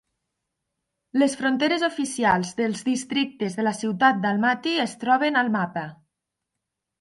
Les fronteres oficials dels districtes de la ciutat d'Almaty es troben al mapa.